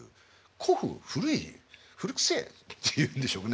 古風古い古くせえっていうんでしょうね。